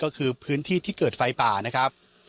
ก็คือพื้นที่ที่เกิดไฟป่านะครับ